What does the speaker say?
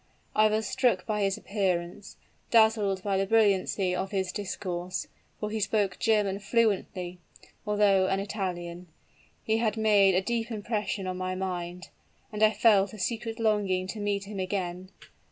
"I was struck by his appearance dazzled by the brilliancy of his discourse; for he spoke German fluently, although an Italian. He had made a deep impression on my mind; and I felt a secret longing to meet him again.